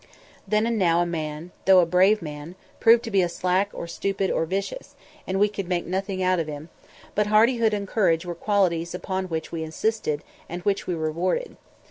Now and then a man, though a brave man, proved to be slack or stupid or vicious, and we could make nothing out of him; but hardihood and courage were qualities upon which we insisted and which we rewarded.